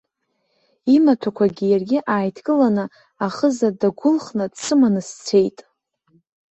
Имаҭәақәагьы иаргьы ааидкыланы, ахыза даагәылхны дсыманы сцеит.